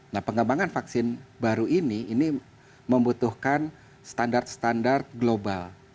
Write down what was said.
nah pengembangan vaksin baru ini membutuhkan standar standar global